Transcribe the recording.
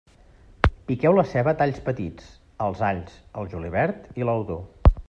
Piqueu la ceba a talls petits, els alls, el julivert i l'ou dur.